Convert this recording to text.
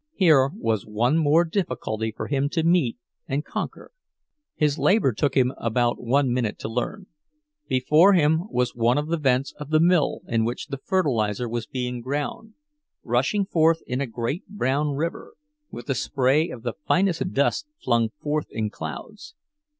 Here was one more difficulty for him to meet and conquer! His labor took him about one minute to learn. Before him was one of the vents of the mill in which the fertilizer was being ground—rushing forth in a great brown river, with a spray of the finest dust flung forth in clouds.